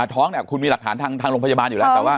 ท้องเนี่ยคุณมีหลักฐานทางโรงพยาบาลอยู่แล้วแต่ว่า